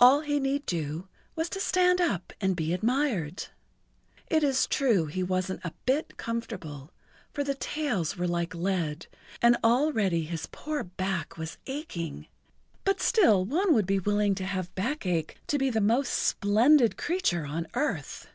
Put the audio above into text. All he need do was to stand up and be admired. It is true he wasn't a bit comfortable, for the tails were like lead, and already his poor back was aching, but still one would be willing to have back ache to be the most splendid creature on earth.